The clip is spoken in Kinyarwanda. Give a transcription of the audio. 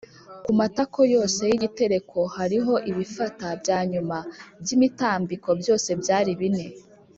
Ku matako yose y’igitereko hariho ibifata bya byuma by’imitambiko byose byari bine